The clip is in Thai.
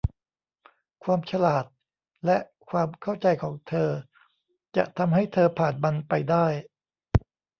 ความฉลาด และความเข้าใจของเธอจะทำให้เธอผ่านมันไปได้